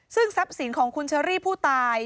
ซึ่งทรัพย์สินของคุณเชอรี่ผู้ตาย